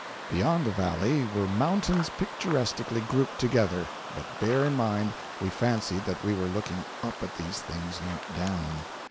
Beyond the valley were mountains picturesquely grouped together; but bear in mind, we fancied that we were looking up at these things—not down.